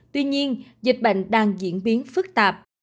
tuy nhiên dịch bệnh đang diễn biến phức tạp